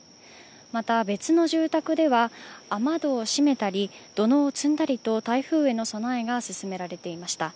また別の住宅では、雨戸を閉めたり土のうを積んだりと台風への備えが進められていました。